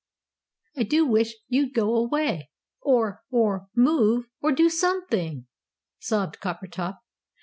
"I do wish you'd go away, or or move or do something!" sobbed Coppertop.